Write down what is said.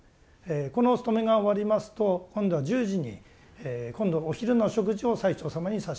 このお勤めが終わりますと今度は１０時に今度お昼の食事を最澄様に差し上げます。